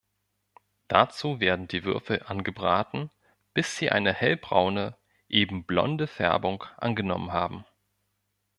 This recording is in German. Dazu werden die Würfel angebraten, bis sie eine hellbraune, eben blonde Färbung angenommen haben.